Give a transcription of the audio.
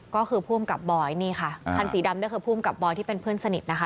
ก็คือผู้อำกับบอยนี่ค่ะคันสีดำนี่คือภูมิกับบอยที่เป็นเพื่อนสนิทนะคะ